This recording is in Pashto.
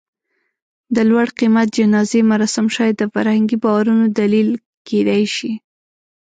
د لوړ قېمت جنازې مراسم شاید د فرهنګي باورونو دلیل کېدی شي.